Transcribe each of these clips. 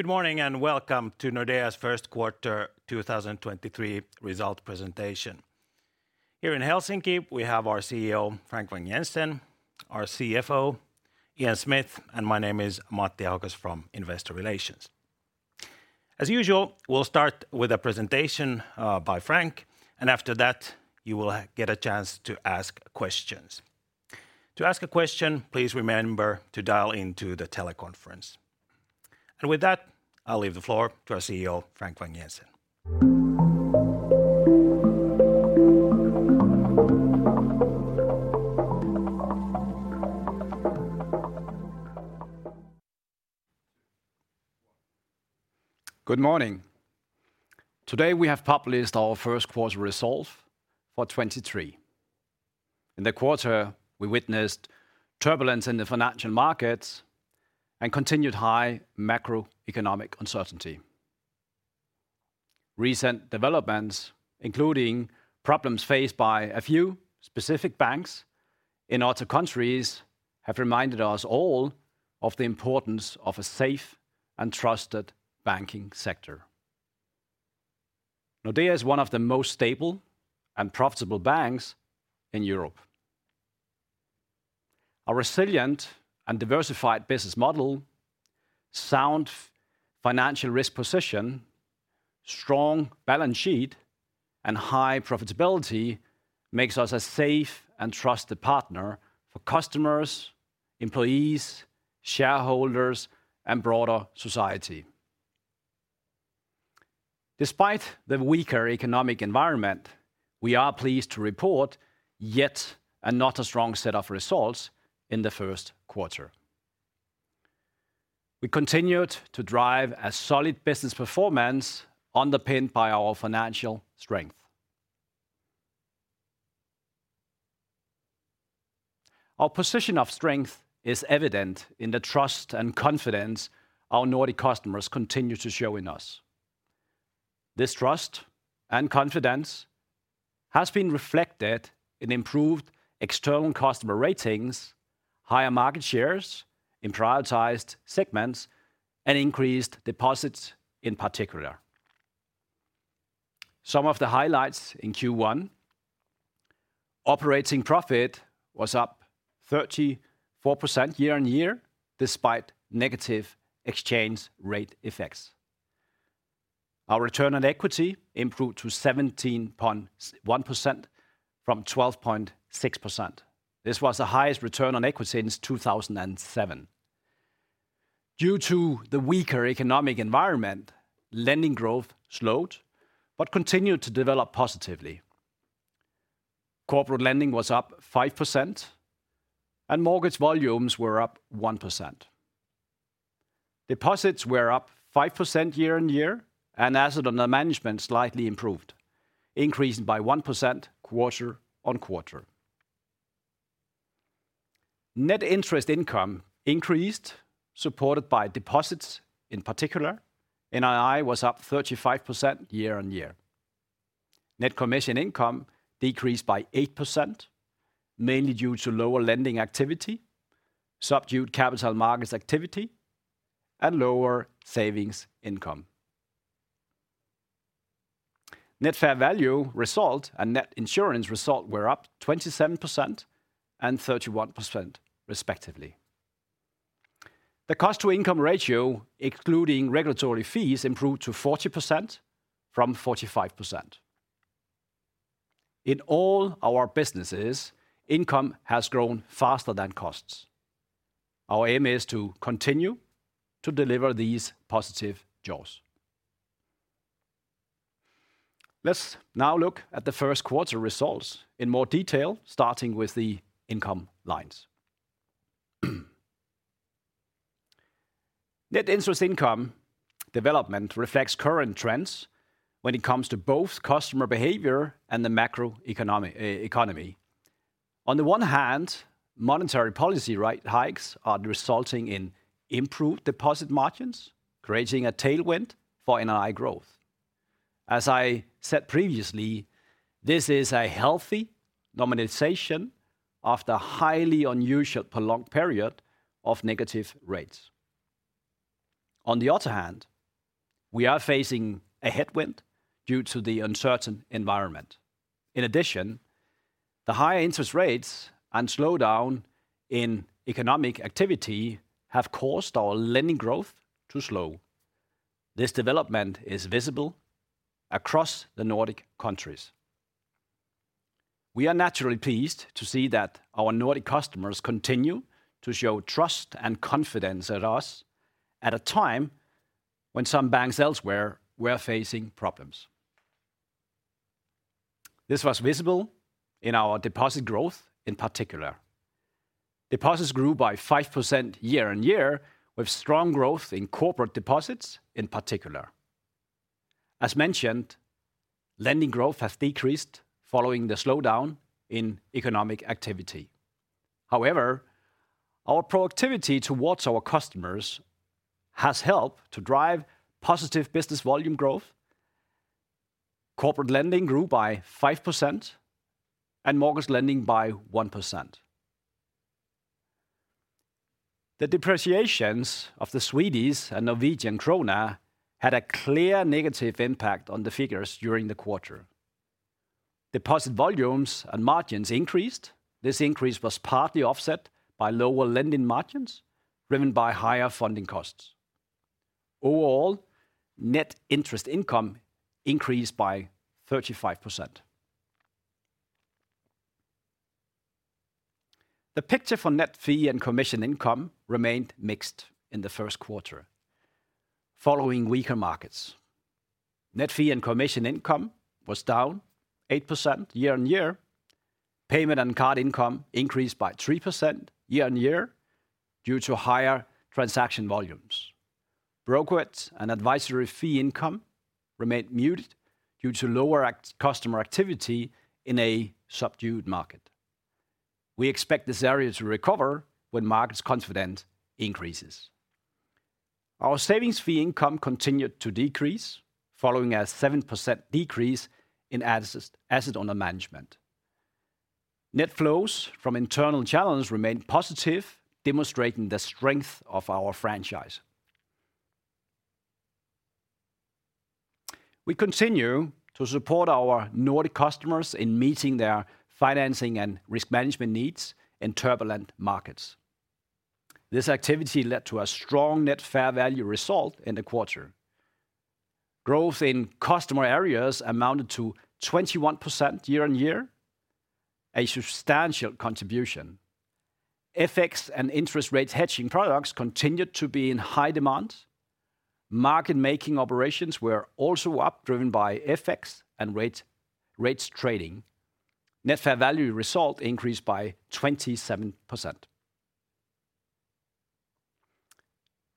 Good morning, and welcome to Nordea's 1st quarter 2023 result presentation. Here in Helsinki, we have our CEO, Frank Vang-Jensen; our CFO, Ian Smith; and my name is Matti Ahokas from Investor Relations. As usual, we'll start with a presentation by Frank, and after that, you will get a chance to ask questions. To ask a question, please remember to dial into the teleconference. With that, I'll leave the floor to our CEO, Frank Vang-Jensen. Good morning. Today, we have published our first quarter results for 23. In the quarter, we witnessed turbulence in the financial markets and continued high macroeconomic uncertainty. Recent developments, including problems faced by a few specific banks in other countries, have reminded us all of the importance of a safe and trusted banking sector. Nordea is one of the most stable and profitable banks in Europe. Our resilient and diversified business model, sound financial risk position, strong balance sheet, and high profitability makes us a safe and trusted partner for customers, employees, shareholders, and broader society. Despite the weaker economic environment, we are pleased to report yet another strong set of results in the first quarter. We continued to drive a solid business performance underpinned by our financial strength. Our position of strength is evident in the trust and confidence our Nordic customers continue to show in us. This trust and confidence has been reflected in improved external customer ratings, higher market shares in prioritized segments, and increased deposits in particular. Some of the highlights in Q1, operating profit was up 34% year-on-year despite negative exchange rate effects. Our return on equity improved to 17.1% from 12.6%. This was the highest return on equity since 2007. Due to the weaker economic environment, lending growth slowed but continued to develop positively. Corporate lending was up 5%, and mortgage volumes were up 1%. Deposits were up 5% year-on-year, and assets under management slightly improved, increasing by 1% quarter-on-quarter. Net interest income increased, supported by deposits in particular. NII was up 35% year-on-year. Net commission income decreased by 8%, mainly due to lower lending activity, subdued capital markets activity, and lower savings income. Net fair value result and net insurance result were up 27% and 31% respectively. The cost-to-income ratio, excluding regulatory fees, improved to 40% from 45%. In all our businesses, income has grown faster than costs. Our aim is to continue to deliver these positive jaws. Let's now look at the first quarter results in more detail, starting with the income lines. Net interest income development reflects current trends when it comes to both customer behavior and the macroeconomic economy. Monetary policy rate hikes are resulting in improved deposit margins, creating a tailwind for NII growth. As I said previously, this is a healthy normalization after a highly unusual prolonged period of negative rates. On the other hand, we are facing a headwind due to the uncertain environment. The higher interest rates and slowdown in economic activity have caused our lending growth to slow. This development is visible across the Nordic countries. We are naturally pleased to see that our Nordic customers continue to show trust and confidence at us at a time when some banks elsewhere were facing problems. This was visible in our deposit growth in particular. Deposits grew by 5% year-over-year, with strong growth in corporate deposits in particular. Lending growth has decreased following the slowdown in economic activity. Our proactivity towards our customers has helped to drive positive business volume growth. Corporate lending grew by 5% and mortgage lending by 1%. The depreciations of the Swedish and Norwegian krone had a clear negative impact on the figures during the quarter. Deposit volumes and margins increased. This increase was partly offset by lower lending margins driven by higher funding costs. Overall, net interest income increased by 35%. The picture for net fee and commission income remained mixed in the first quarter, following weaker markets. Net fee and commission income was down 8% year-on-year. Payment and card income increased by 3% year-on-year due to higher transaction volumes. Brokerage and advisory fee income remained muted due to lower customer activity in a subdued market. We expect this area to recover when market confidence increases. Our savings fee income continued to decrease following a 7% decrease in assets under management. Net flows from internal challenges remained positive, demonstrating the strength of our franchise. We continue to support our Nordic customers in meeting their financing and risk management needs in turbulent markets. This activity led to a strong net fair value result in the quarter. Growth in customer areas amounted to 21% year-on-year, a substantial contribution. FX and interest rate hedging products continued to be in high demand. Market making operations were also up, driven by FX and rates trading. Net fair value result increased by 27%.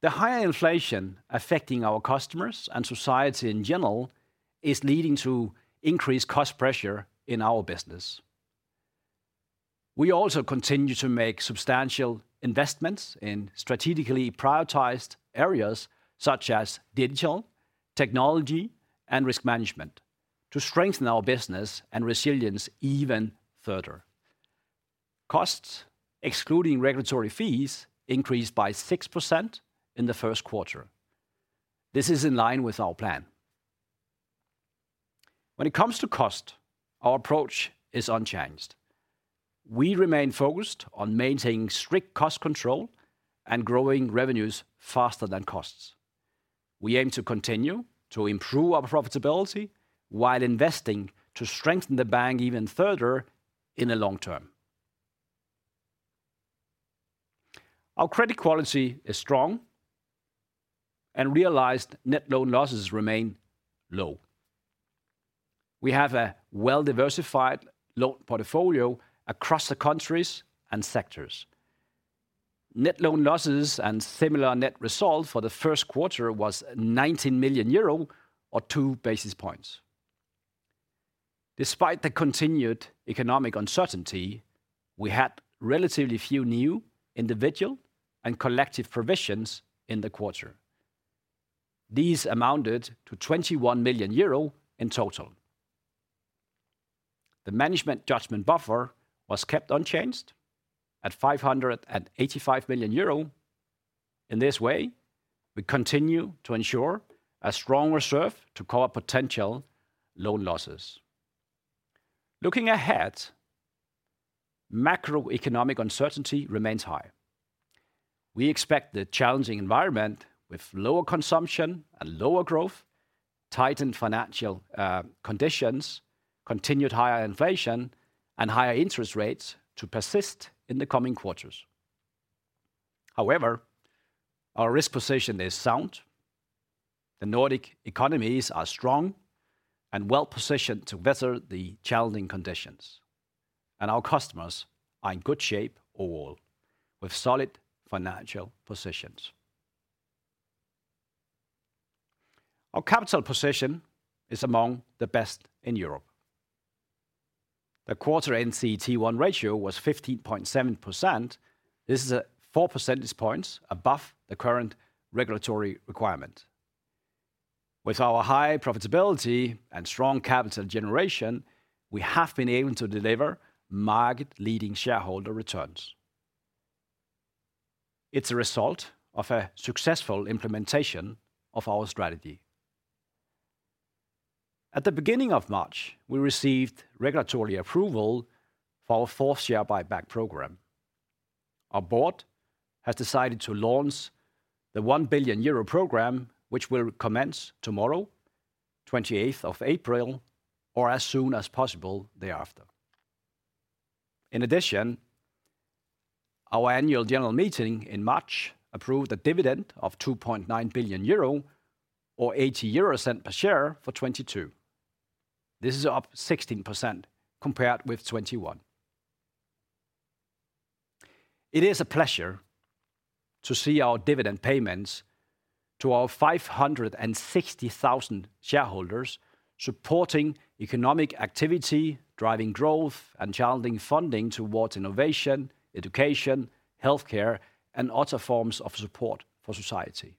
The higher inflation affecting our customers and society in general is leading to increased cost pressure in our business. We also continue to make substantial investments in strategically prioritized areas such as digital, technology, and risk management to strengthen our business and resilience even further. Costs excluding regulatory fees increased by 6% in the first quarter. This is in line with our plan. When it comes to cost, our approach is unchanged. We remain focused on maintaining strict cost control and growing revenues faster than costs. We aim to continue to improve our profitability while investing to strengthen the bank even further in the long term. Our credit quality is strong and realized net loan losses remain low. We have a well-diversified loan portfolio across the countries and sectors. Net loan losses and similar net result for the first quarter was 19 million euro or 2 basis points. Despite the continued economic uncertainty, we had relatively few new individual and collective provisions in the quarter. These amounted to 21 million euro in total. The management judgement buffer was kept unchanged at 585 million euro. In this way, we continue to ensure a strong reserve to cover potential loan losses. Looking ahead, macroeconomic uncertainty remains high. We expect the challenging environment with lower consumption and lower growth, tightened financial conditions, continued higher inflation, and higher interest rates to persist in the coming quarters. However, our risk position is sound. The Nordic economies are strong and well-positioned to weather the challenging conditions, and our customers are in good shape overall with solid financial positions. Our capital position is among the best in Europe. The quarter CET1 ratio was 15.7%. This is at 4 percentage points above the current regulatory requirement. With our high profitability and strong capital generation, we have been able to deliver market-leading shareholder returns. It's a result of a successful implementation of our strategy. At the beginning of March, we received regulatory approval for our fourth share buyback program. Our board has decided to launch the 1 billion euro program, which will commence tomorrow, April 28th, or as soon as possible thereafter. In addition, our annual general meeting in March approved a dividend of 2.9 billion euro or 0.80 per share for 2022. This is up 16% compared with 2021. It is a pleasure to see our dividend payments to our 560,000 shareholders supporting economic activity, driving growth, and channeling funding towards innovation, education, healthcare, and other forms of support for society.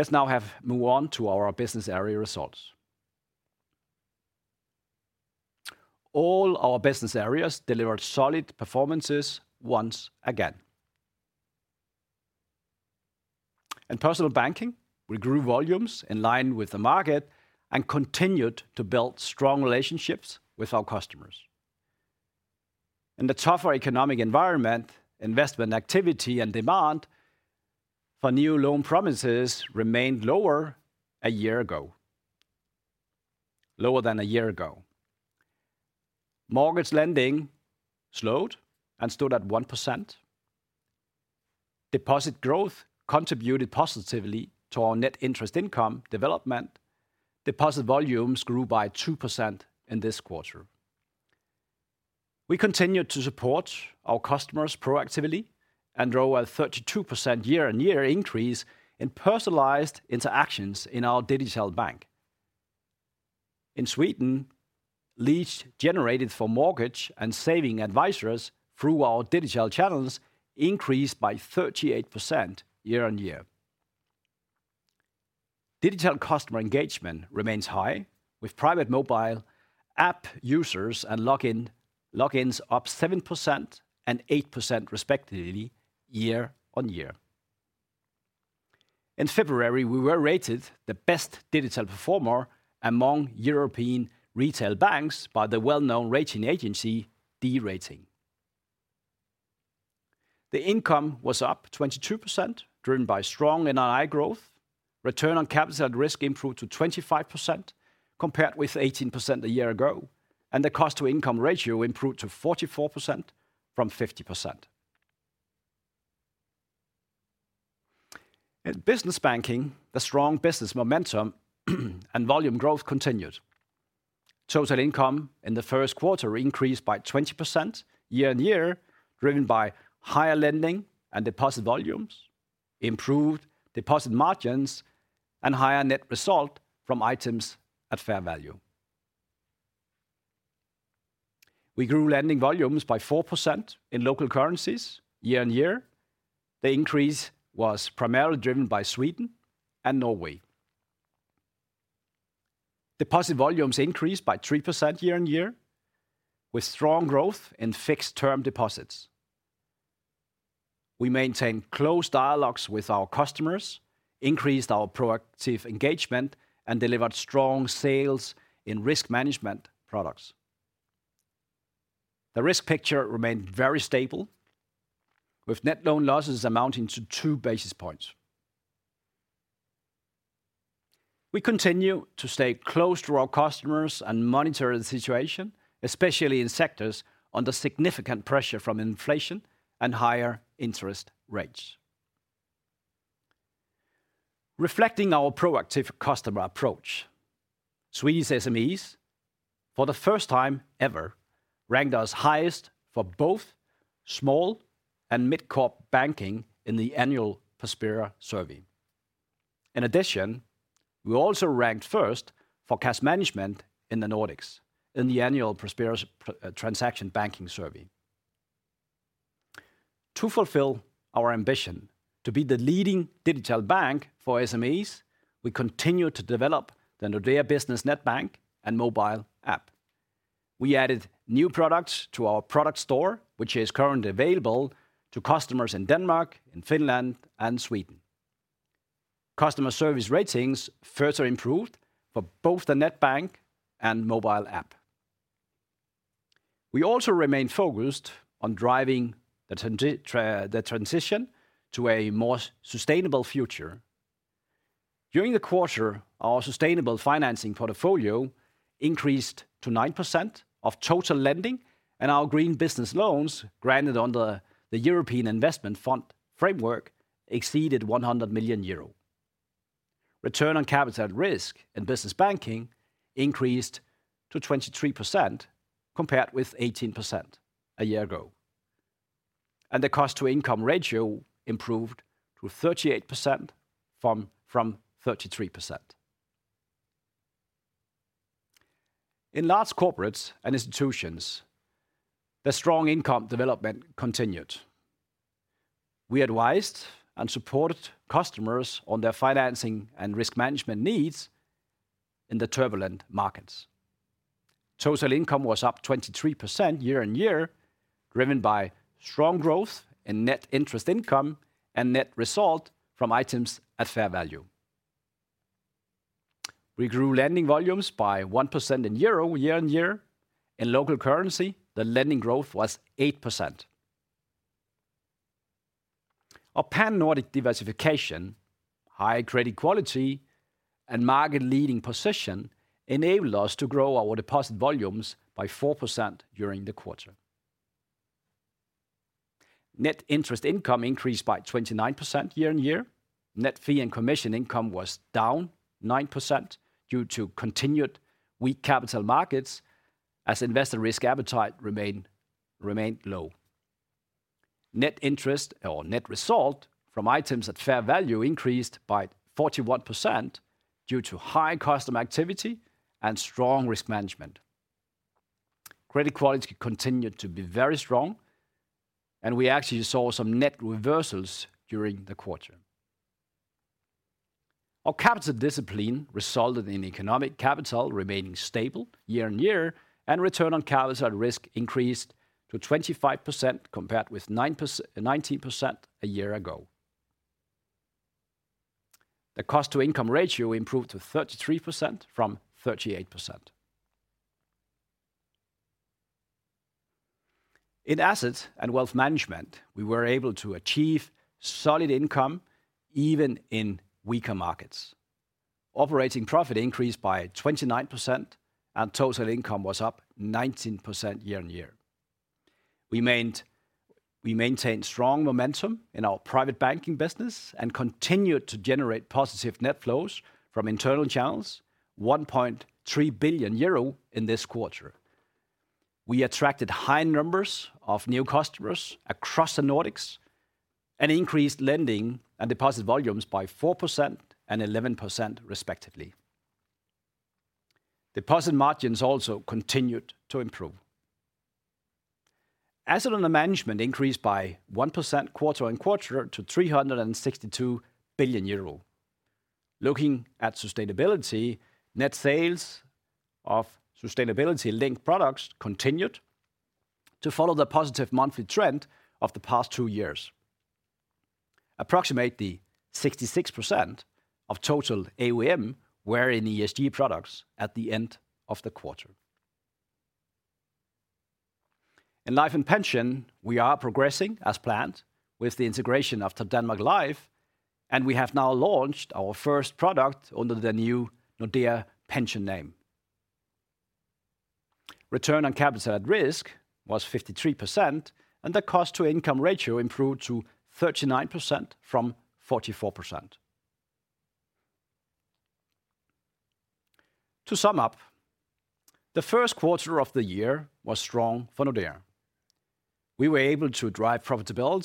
Let's now move on to our business area results. All our business areas delivered solid performances once again. In Personal Banking, we grew volumes in line with the market and continued to build strong relationships with our customers. In the tougher economic environment, investment activity and demand for new loan promises remained lower than a year ago. Mortgage lending slowed and stood at 1%. Deposit growth contributed positively to our net interest income development. Deposit volumes grew by 2% in this quarter. We continued to support our customers proactively and drove a 32% year-on-year increase in personalized interactions in our digital bank. In Sweden, leads generated for mortgage and saving advisors through our digital channels increased by 38% year-on-year. Digital customer engagement remains high, with private mobile app users and logins up 7% and 8% respectively year-on-year. In February, we were rated the best digital performer among European retail banks by the well-known rating agency, D-Rating. The income was up 22%, driven by strong NII growth. return on capital at risk improved to 25%, compared with 18% a year ago, and the cost-to-income ratio improved to 44% from 50%. In Business Banking, the strong business momentum and volume growth continued. Total income in the first quarter increased by 20% year-on-year, driven by higher lending and deposit volumes, improved deposit margins, and higher net result from items at fair value. We grew lending volumes by 4% in local currencies year-on-year. The increase was primarily driven by Sweden and Norway. Deposit volumes increased by 3% year-on-year, with strong growth in fixed-term deposits. We maintained close dialogues with our customers, increased our proactive engagement, and delivered strong sales in risk management products. The risk picture remained very stable, with net loan losses amounting to 2 basis points. We continue to stay close to our customers and monitor the situation, especially in sectors under significant pressure from inflation and higher interest rates. Reflecting our proactive customer approach, Swedish SMEs, for the first time ever, ranked us highest for both small and mid-corp banking in the annual Prospera survey. In addition, we also ranked first for cash management in the Nordics in the annual Prospera Transaction Banking Survey. To fulfill our ambition to be the leading digital bank for SMEs, we continue to develop the Nordea Business Net Bank and mobile app. We added new products to our product store, which is currently available to customers in Denmark, in Finland, and Sweden. Customer service ratings further improved for both the Net Bank and mobile app. We also remain focused on driving the transition to a more sustainable future. During the quarter, our sustainable financing portfolio increased to 9% of total lending, and our green business loans, granted under the European Investment Fund framework, exceeded 100 million euro. Return on capital risk in Business Banking increased to 23%, compared with 18% a year ago. The cost-to-income ratio improved to 38% from 33%. In Large Corporates & Institutions, the strong income development continued. We advised and supported customers on their financing and risk management needs in the turbulent markets. Total income was up 23% year-on-year, driven by strong growth in net interest income and net result from items at fair value. We grew lending volumes by 1% in EUR year-on-year. In local currency, the lending growth was 8%. Our pan-Nordic diversification, high credit quality, and market-leading position enabled us to grow our deposit volumes by 4% during the quarter. Net interest income increased by 29% year-on-year. Net fee and commission income was down 9% due to continued weak capital markets as investor risk appetite remained low. Net interest or net result from items at fair value increased by 41% due to high customer activity and strong risk management. Credit quality continued to be very strong, and we actually saw some net reversals during the quarter. Our capital discipline resulted in economic capital remaining stable year-on-year and return on capital at risk increased to 25% compared with 19% a year ago. The cost-to-income ratio improved to 33% from 38%. In assets and wealth management, we were able to achieve solid income even in weaker markets. Operating profit increased by 29% and total income was up 19% year-on-year. We maintained strong momentum in our private banking business and continued to generate positive net flows from internal channels, 1.3 billion euro in this quarter. We attracted high numbers of new customers across the Nordics and increased lending and deposit volumes by 4% and 11% respectively. Deposit margins also continued to improve. Assets under management increased by 1% quarter on quarter to 362 billion euro. Looking at sustainability, net sales of sustainability-linked products continued to follow the positive monthly trend of the past two years. Approximately 66% of total AUM were in ESG products at the end of the quarter. In life and pension, we are progressing as planned with the integration of Topdanmark Life, and we have now launched our first product under the new Nordea Pension name. Return on capital at risk was 53% and the cost-to-income ratio improved to 39% from 44%. To sum up, the first quarter of the year was strong for Nordea. We were able to drive profitable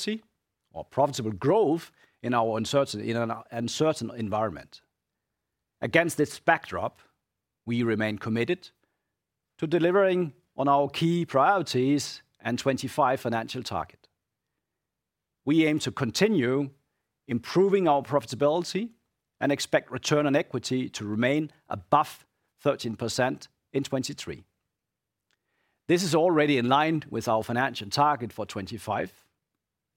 growth in an uncertain environment. Against this backdrop, we remain committed to delivering on our key priorities and 2025 financial target. We aim to continue improving our profitability and expect return on equity to remain above 13% in 2023. This is already in line with our financial target for 2025.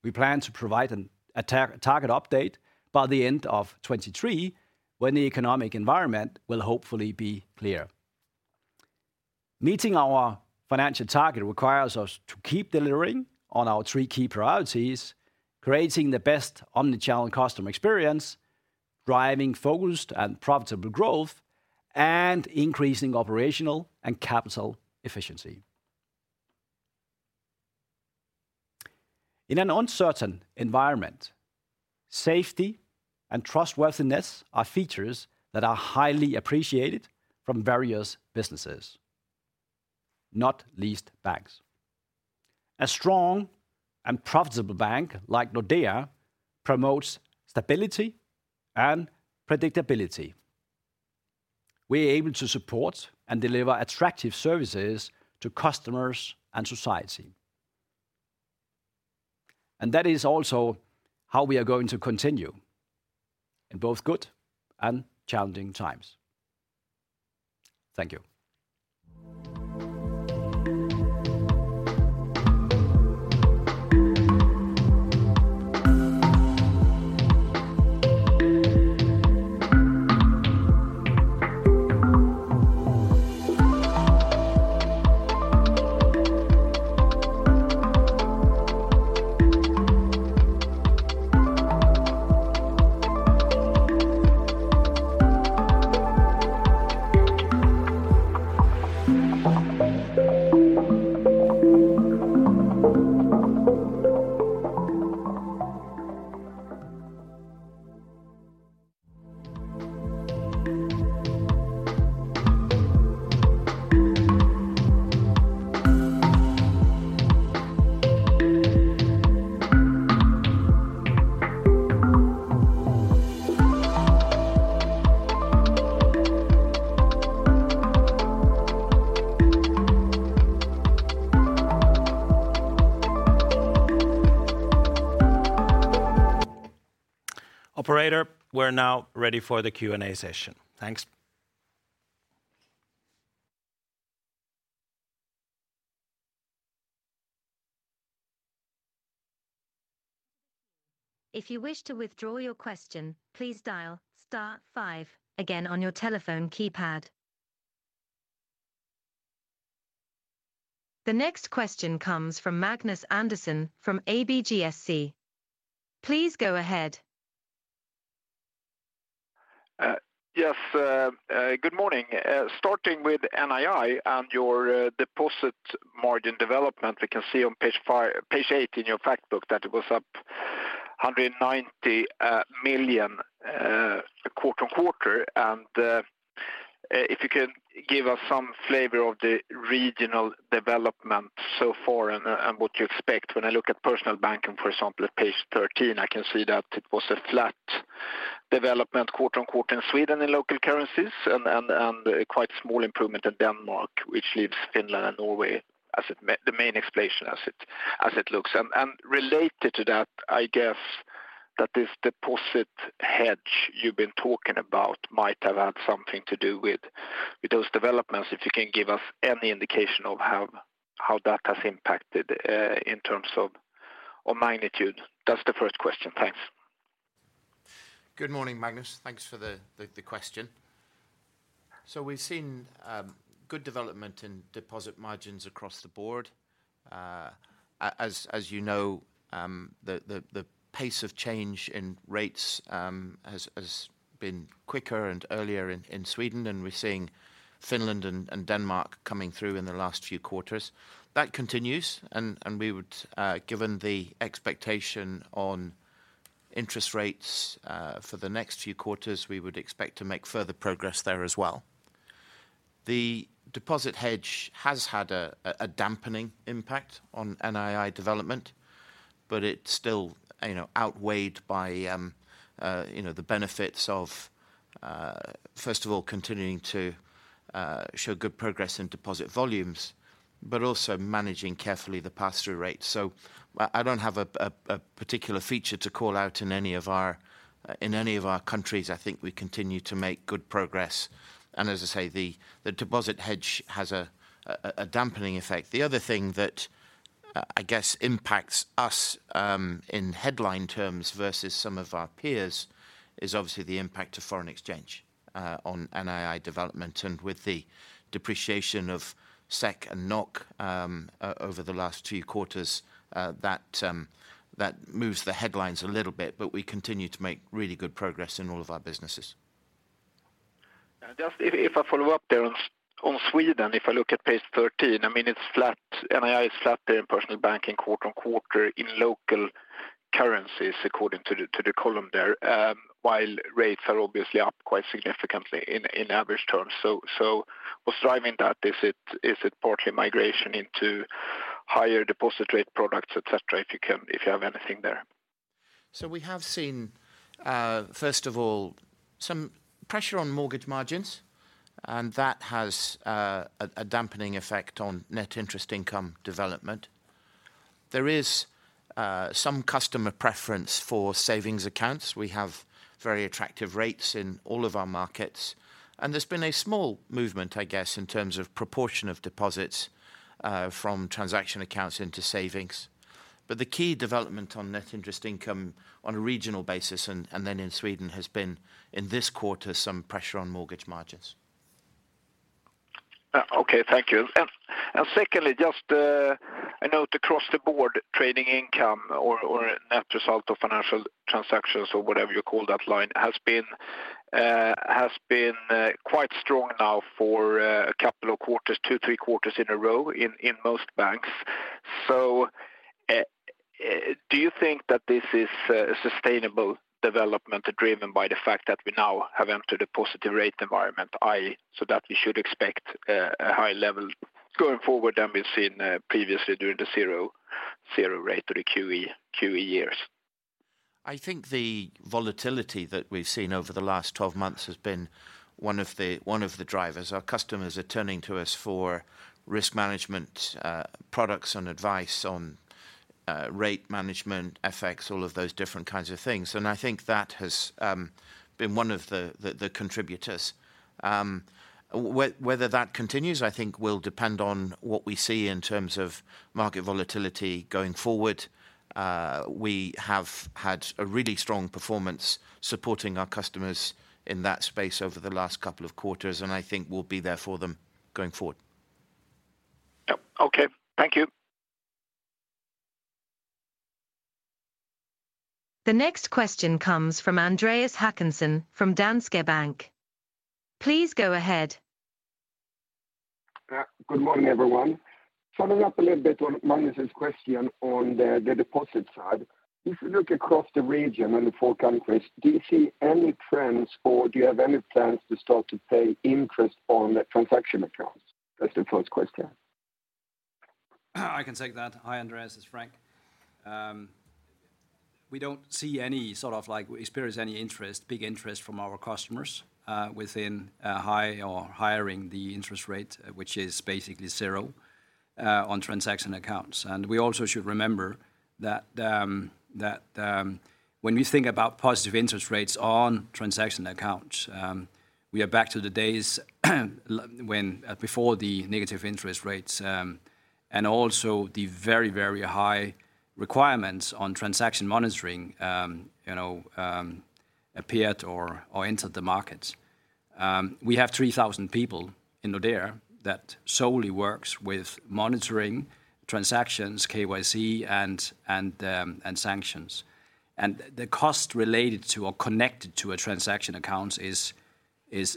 We plan to provide a target update by the end of 2023 when the economic environment will hopefully be clear. Meeting our financial target requires us to keep delivering on our three key priorities, creating the best omnichannel customer experience, driving focused and profitable growth, and increasing operational and capital efficiency. In an uncertain environment, safety and trustworthiness are features that are highly appreciated from various businesses, not least banks. A strong and profitable bank like Nordea promotes stability and predictability. We are able to support and deliver attractive services to customers and society. That is also how we are going to continue in both good and challenging times. Thank you. Operator, we're now ready for the Q&A session. Thanks. If you wish to withdraw your question, please dial star five again on your telephone keypad. The next question comes from Magnus Andersson from ABGSC. Please go ahead. Yes, good morning. Starting with NII and your deposit margin development, we can see on page eight in your fact book that it was up EUR 190 million quarter-on-quarter. If you can give us some flavor of the regional development so far and what you expect? When I look at Personal Banking, for example, at page 13, I can see that it was a flat development quote unquote in Sweden in local currencies and a quite small improvement in Denmark, which leaves Finland and Norway as the main explanation as it looks. Related to that, I guess that this deposit hedge you've been talking about might have had something to do with those developments. If you can give us any indication of how that has impacted, in terms of, or magnitude? That's the first question. Thanks. Good morning, Magnus. Thanks for the question. We've seen good development in deposit margins across the board. As you know, the pace of change in rates has been quicker and earlier in Sweden, and we're seeing Finland and Denmark coming through in the last few quarters. That continues, and we would, given the expectation on interest rates for the next few quarters, we would expect to make further progress there as well. The deposit hedge has had a dampening impact on NII development, but it's still, you know, outweighed by, you know, the benefits of, first of all, continuing to show good progress in deposit volumes, but also managing carefully the pass-through rate. I don't have a particular feature to call out in any of our countries. I think we continue to make good progress. As I say, the deposit hedge has a dampening effect. The other thing that, I guess impacts us in headline terms versus some of our peers is obviously the impact of foreign exchange on NII development. With the depreciation of SEK and NOK over the last two quarters, that moves the headlines a little bit, but we continue to make really good progress in all of our businesses. Yeah. Just if I follow up there on Sweden, if I look at page 13, I mean, it's flat. NII is flat there in Personal Banking quarter on quarter in local currencies according to the column there, while rates are obviously up quite significantly in average terms. What's driving that? Is it partly migration into higher deposit rate products, et cetera, if you have anything there? We have seen, first of all, some pressure on mortgage margins, and that has a dampening effect on net interest income development. There is some customer preference for savings accounts. We have very attractive rates in all of our markets, and there's been a small movement, I guess, in terms of proportion of deposits, from transaction accounts into savings. The key development on net interest income on a regional basis and then in Sweden has been, in this quarter, some pressure on mortgage margins. Okay. Thank you. Secondly, just a note across the board, trading income or net result of financial transactions or whatever you call that line has been quite strong now for a couple of quarters, two, three quarters in a row in most banks. Do you think that this is a sustainable development driven by the fact that we now have entered a positive rate environment, i.e., so that we should expect a high level going forward than we've seen previously during the zero rate or the QE years? I think the volatility that we've seen over the last 12 months has been one of the drivers. Our customers are turning to us for risk management, products and advice on rate management effects, all of those different kinds of things. I think that has been one of the contributors. Whether that continues, I think will depend on what we see in terms of market volatility going forward. We have had a really strong performance supporting our customers in that space over the last couple of quarters, and I think we'll be there for them going forward. Yep. Okay. Thank you. The next question comes from Andreas Håkansson from Danske Bank. Please go ahead. Good morning, everyone. Following up a little bit on Magnus' question on the deposit side. If you look across the region and the four countries, do you see any trends or do you have any plans to start to pay interest on the transaction accounts? That's the first question. I can take that. Hi, Andreas Håkansson. It's Frank Vang-Jensen. We don't see any sort of like experience any interest, big interest from our customers, within high or highering the interest rate, which is basically zero, on transaction accounts. We also should remember that, when we think about positive interest rates on transaction accounts, we are back to the days when before the negative interest rates, and also the very, very high requirements on transaction monitoring, you know, appeared or entered the markets. We have 3,000 people in Nordea that solely works with monitoring transactions, KYC and sanctions. The cost related to or connected to a transaction account is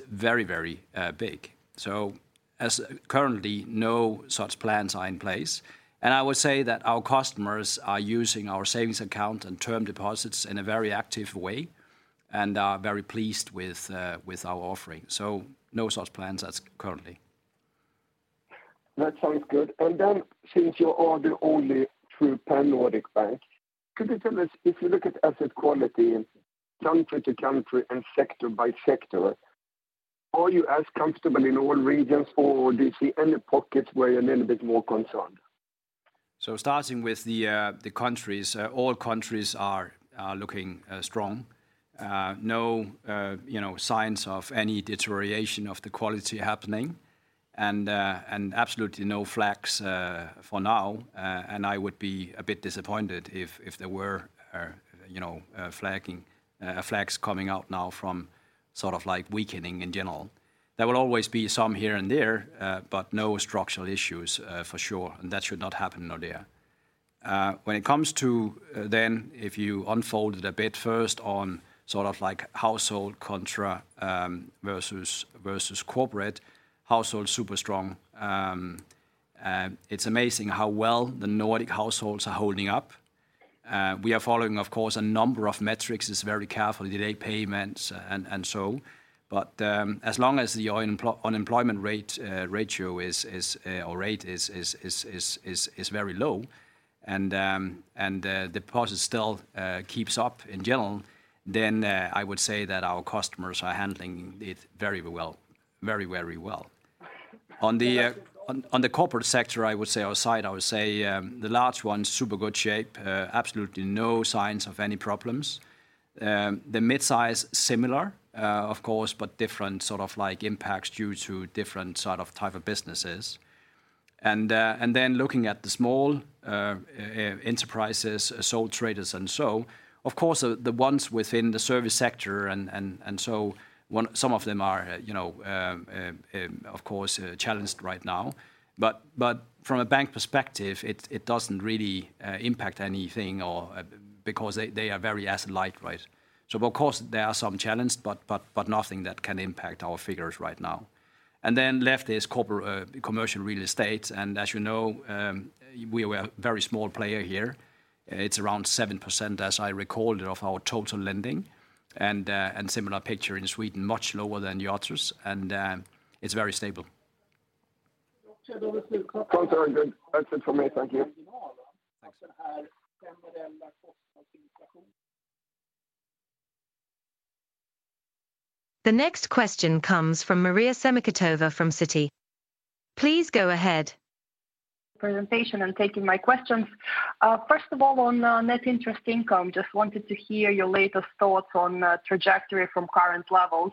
very, very big. As currently, no such plans are in place. I would say that our customers are using our savings account and term deposits in a very active way and are very pleased with our offering. No such plans as currently. That sounds good. Since you are the only true pan-Nordic bank, could you tell us if you look at asset quality country to country and sector by sector, are you as comfortable in all regions or do you see any pockets where you're a little bit more concerned? Starting with the countries, all countries are looking strong. No, you know, signs of any deterioration of the quality happening and absolutely no flags for now. I would be a bit disappointed if there were, you know, flags coming out now from sort of like weakening in general. There will always be some here and there, but no structural issues for sure. That should not happen Nordea. When it comes to then if you unfold it a bit first on sort of like household contra versus corporate. Household super strong. It's amazing how well the Nordic households are holding up. We are following, of course, a number of metrics just very carefully, delayed payments and so. As long as the unemployment rate, ratio is, or rate is very low and deposit still keeps up in general, then I would say that our customers are handling it very well. Very well. On the corporate sector, I would say outside the large ones super good shape. Absolutely no signs of any problems. The mid-size similar, of course, but different sort of like impacts due to different sort of type of businesses. Then looking at the small enterprises, sole traders and so, some of them are, you know, of course, challenged right now. From a bank perspective, it doesn't really impact anything or because they are very asset light, right? Of course there are some challenge, but nothing that can impact our figures right now. Left is corporate commercial real estate. As you know, we are a very small player here. It's around 7%, as I recall, of our total lending. Similar picture in Sweden, much lower than the others. It's very stable. Sounds very good. That's it from me. Thank you. The next question comes from Maria Semikhatova from Citi. Please go ahead. Presentation taking my questions. First of all, on net interest income, just wanted to hear your latest thoughts on trajectory from current levels.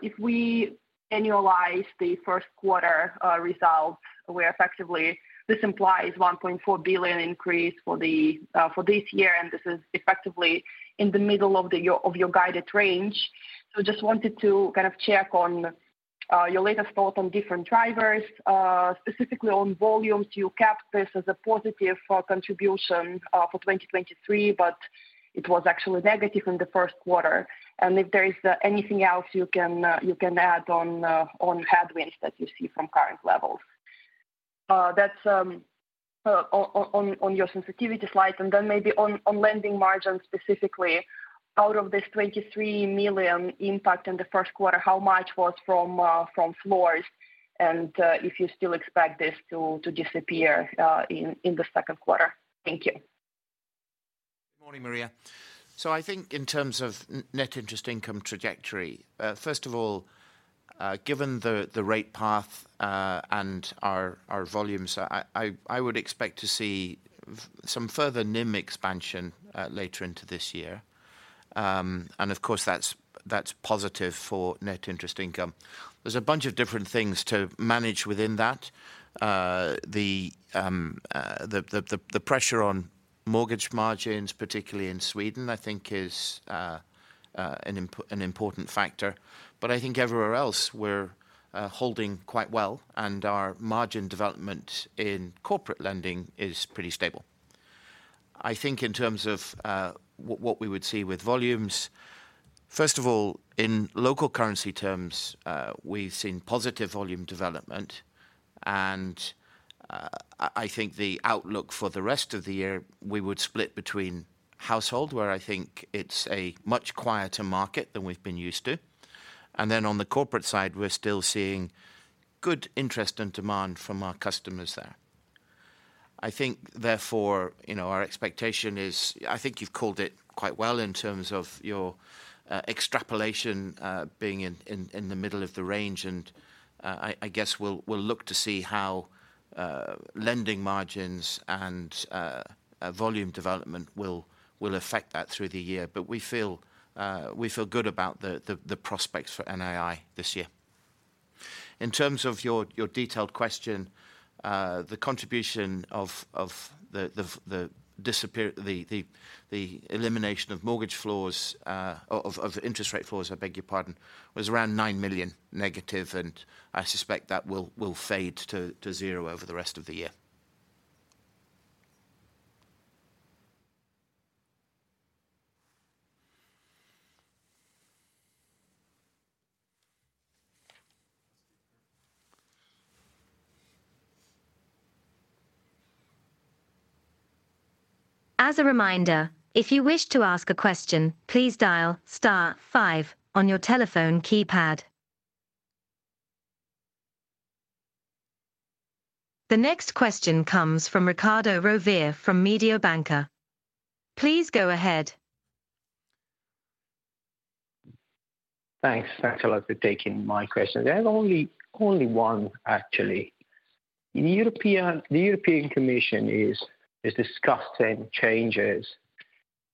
If we annualize the first quarter results where effectively this implies a 1.4 billion increase for this year, this is effectively in the middle of your guided range. Just wanted to kind of check on your latest thought on different drivers. Specifically on volumes, you capped this as a positive for contribution for 2023, but it was actually negative in the first quarter. If there is anything else you can add on headwinds that you see from current levels. That's on your sensitivity slides and then maybe on lending margins specifically, out of this 23 million impact in the first quarter, how much was from floors and if you still expect this to disappear in the second quarter? Thank you. Good morning, Maria. I think in terms of net interest income trajectory, first of all, given the rate path and our volumes, I would expect to see some further NIM expansion later into this year. Of course, that's positive for net interest income. There's a bunch of different things to manage within that. The pressure on mortgage margins, particularly in Sweden, I think is an important factor. I think everywhere else we're holding quite well and our margin development in corporate lending is pretty stable. I think in terms of what we would see with volumes, first of all, in local currency terms, we've seen positive volume development, and I think the outlook for the rest of the year, we would split between household, where I think it's a much quieter market than we've been used to. On the corporate side, we're still seeing good interest and demand from our customers there. I think therefore, you know, our expectation is. I think you've called it quite well in terms of your extrapolation, being in the middle of the range. I guess we'll look to see how lending margins and volume development will affect that through the year. We feel good about the prospects for NII this year. In terms of your detailed question, the contribution of the elimination of mortgage floors, of interest rate floors, I beg your pardon, was around 9 million negative, and I suspect that will fade to zero over the rest of the year. As a reminder, if you wish to ask a question, please dial star five on your telephone keypad. The next question comes from Riccardo Rovere from Mediobanca. Please go ahead. Thanks. Thanks a lot for taking my question. There are only one actually. The European Commission is discussing changes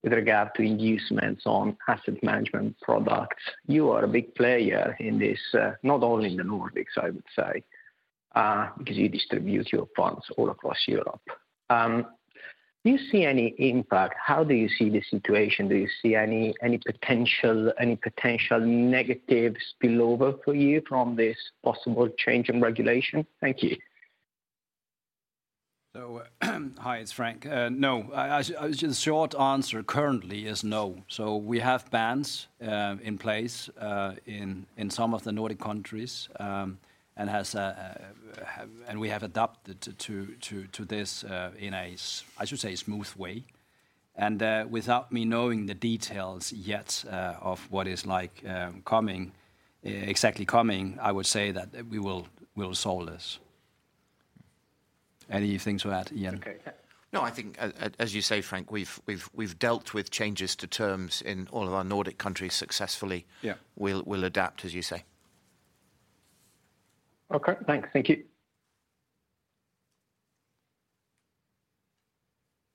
with regard to inducements on asset management products. You are a big player in this, not only in the Nordics, I would say, because you distribute your funds all across Europe. Do you see any impact? How do you see the situation? Do you see any potential negative spillover for you from this possible change in regulation? Thank you. Hi, it's Frank. No. The short answer currently is no. We have bans in place in some of the Nordic countries, and have adapted to this in a I should say smooth way. Without me knowing the details yet, of what is like, exactly coming, I would say that we will solve this. Any things to add, Ian? Okay. No, I think as you say, Frank, we've dealt with changes to terms in all of our Nordic countries successfully. Yeah. We'll adapt, as you say. Okay, thanks. Thank you.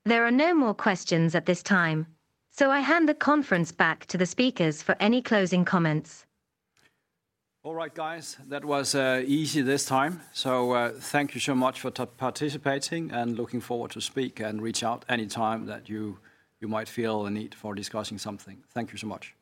There are no more questions at this time, so I hand the conference back to the speakers for any closing comments. All right, guys, that was easy this time. Thank you so much for participating and looking forward to speak and reach out any time that you might feel the need for discussing something. Thank you so much.